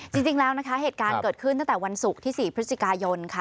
จริงแล้วนะคะเหตุการณ์เกิดขึ้นตั้งแต่วันศุกร์ที่๔พฤศจิกายนค่ะ